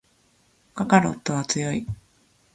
カカロットは強い